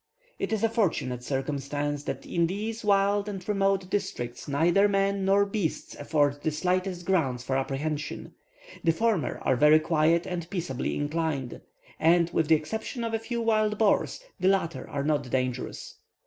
It is a fortunate circumstance that in these wild and remote districts neither men nor beasts afford the slightest grounds for apprehension; the former are very quiet and peaceably inclined, and, with the exception of a few wild boars, the latter are not dangerous.